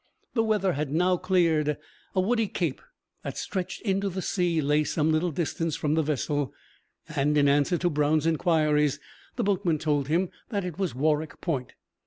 The weather had now cleared. A woody cape, that stretched into the sea, lay some little distance from the vessel; and, in answer to Brown's inquiries, the boatman told him that it was Warroch Point.